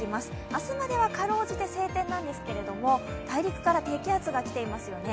明日まではかろうじて晴天なんですけれども、大陸から低気圧が来ていますよね。